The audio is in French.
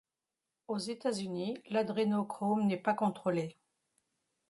Aux États-Unis, l'adrénochrome n'est pas contrôlée.